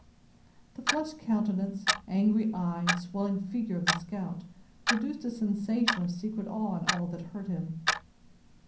The flushed countenance, angry eye and swelling figure of the scout, produced a sensation of secret awe in all that heard him.